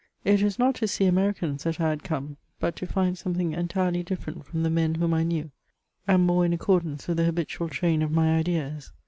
It was not to see Americans that I had come, but to nnd something entirely differ ent from the men whom 1 knew, and more in accordance with the habitual train of niy ideas.